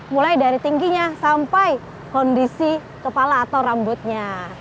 mulai dari tingginya sampai kondisi kepala atau rambutnya